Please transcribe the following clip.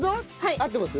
合ってます？